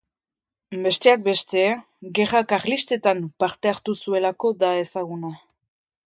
Besteak beste, Gerra Karlistetan parte hartu zuelako da ezaguna.